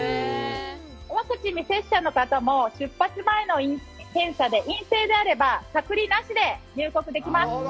ワクチン未接種の方も出発前の検査で陰性であれば、隔離なしで入国できます。